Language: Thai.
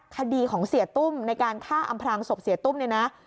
คดีของเสียตุ้มในการฆ่าอำพลางศพเสียตุ้มเนี่ยนะ